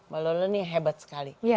mbak lola ini hebat sekali